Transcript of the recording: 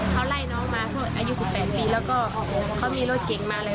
เขาไล่น้องมาอายุ๑๘ปีแล้วก็เขามีรถเก่งมาเลย